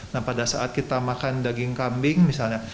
nah pada saat kita makan daging kambing misalnya